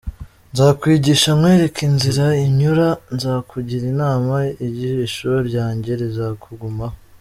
Nzakwigisha nkwereke inzira unyura, Nzakugira inama, Ijisho ryanjye rizakugumaho.